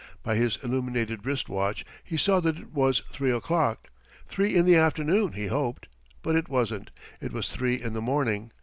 By his illuminated wrist watch he saw that it was three o'clock three in the afternoon, he hoped. But it wasn't. It was three in the morning.